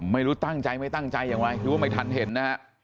ไม่รู้ตั้งใจไม่ตั้งใจอย่างไรหรือว่าไม่ทันเห็นนะฮะ